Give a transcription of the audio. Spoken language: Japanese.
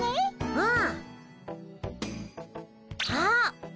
うん。